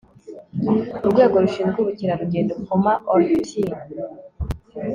urwego rushinzwe ubukerargendo (former ortpn